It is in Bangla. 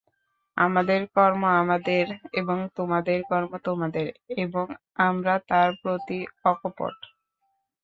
আমাদের কর্ম আমাদের এবং তোমাদের কর্ম তোমাদের এবং আমরা তাঁর প্রতি অকপট।